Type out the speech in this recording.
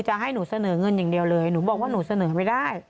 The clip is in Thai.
จะให้หนูเสนอเงินอย่างเดียวเลยหนูบอกว่าหนูเสนอไม่ได้